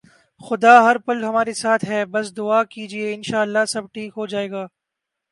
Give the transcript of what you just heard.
خدا ہر پل ہمارے ساتھ ہے بس دعا کیجئے، انشاءاللہ سب ٹھیک ہوجائےگا